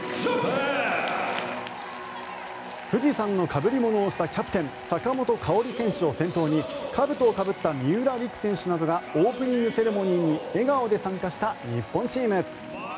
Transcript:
富士山のかぶり物をしたキャプテン坂本花織選手を先頭にかぶとをかぶった三浦璃来選手などがオープニングセレモニーに笑顔で参加した日本チーム。